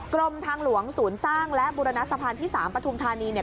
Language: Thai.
กรมทางหลวงศูนย์สร้างและบุรณสะพานที่๓ปฐุมธานีเนี่ย